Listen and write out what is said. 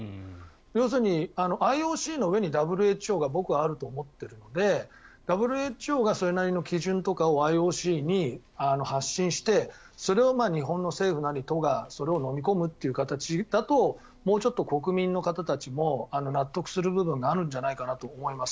要するに、ＩＯＣの上にＷＨＯが僕はあると思っているのでＷＨＯがそれなりの基準とかをＩＯＣに発信してそれを日本の政府なり都がそれをのみ込むという形だともうちょっと国民の方たちも納得する部分があるんじゃないかなと思います。